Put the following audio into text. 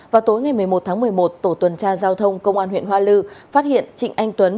vào tối ngày một mươi một tháng một mươi một tổ tuần tra giao thông công an huyện hoa lư phát hiện trịnh anh tuấn